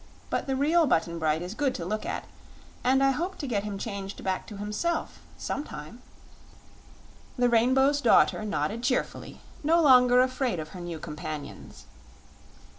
But the real Button Bright is good to look at, and I hope to get him changed back to himself, some time." The Rainbow's Daughter nodded cheerfully, no longer afraid of her new companions.